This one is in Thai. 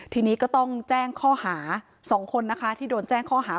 ทีนี้ก็ต้องแจ้งข้อหา๒คนนะคะที่โดนแจ้งข้อหา